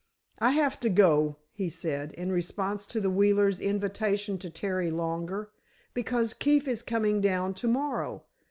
"I have to go," he said, in response to the Wheelers' invitation to tarry longer; "because Keefe is coming down to morrow.